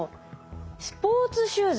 スポーツシューズ。